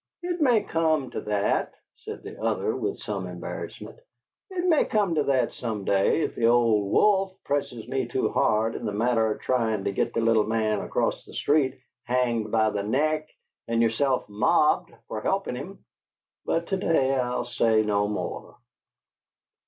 "It may come to that," said the other, with some embarrassment. "It may come to that some day, if the old wolf presses me too hard in the matter o' tryin' to git the little man across the street hanged by the neck and yerself mobbed fer helpin' him! But to day I'll say no more."